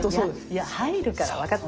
いや入るから分かってる。